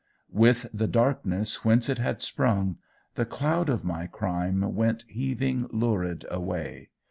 With the darkness whence it had sprung, the cloud of my crime went heaving lurid away.